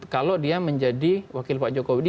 kalau dia menjadi wakil pak jokowi